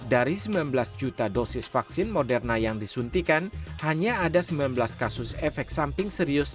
dari sembilan belas juta dosis vaksin moderna yang disuntikan hanya ada sembilan belas kasus efek samping serius